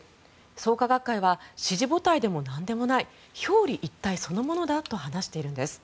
創価学会は支持母体でもなんでもない表裏一体そのものだと話しているんです。